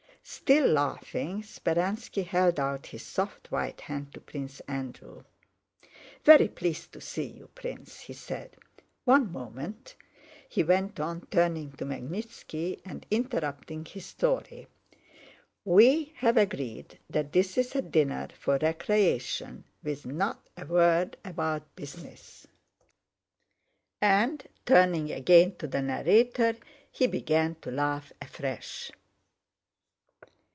Still laughing, Speránski held out his soft white hand to Prince Andrew. "Very pleased to see you, Prince," he said. "One moment..." he went on, turning to Magnítski and interrupting his story. "We have agreed that this is a dinner for recreation, with not a word about business!" and turning again to the narrator he began to laugh afresh.